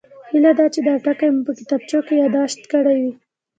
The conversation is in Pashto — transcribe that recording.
هیله ده چې دا ټکي مو په کتابچو کې یادداشت کړي وي